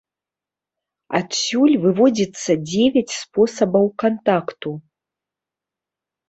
Адсюль выводзіцца дзевяць спосабаў кантакту.